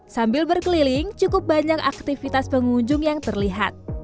sambil berkeliling cukup banyak aktivitas pengunjung yang terlihat